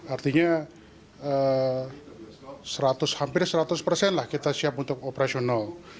artinya hampir seratus persen lah kita siap untuk operasional